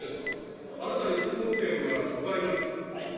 あなたに質問権はございます。